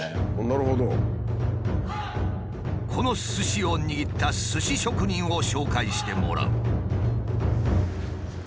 このすしを握ったすし職人を紹介してもらう。